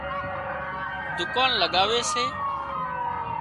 دُڪان لڳاوي سي